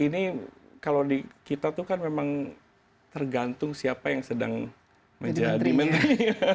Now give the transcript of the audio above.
ini kalau di kita tuh kan memang tergantung siapa yang sedang menjadi menteri